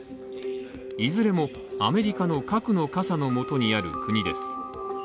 いずれもアメリカの核の傘のもとにある国です。